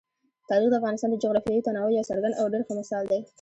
تاریخ د افغانستان د جغرافیوي تنوع یو څرګند او ډېر ښه مثال دی.